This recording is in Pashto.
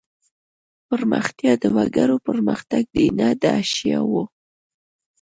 پرمختیا د وګړو پرمختګ دی نه د اشیاوو.